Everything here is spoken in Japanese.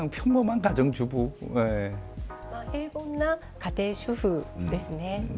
平凡な家庭主婦ですね。